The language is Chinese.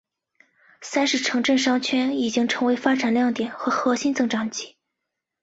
三是城镇商圈已经成为发展亮点和核心增长极。